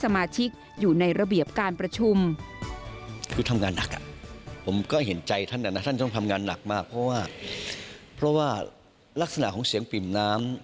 ไม่ว่าลักษณะของเสียงปิ่มน้ำ